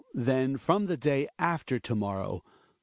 then from tV|e dav after to morrow.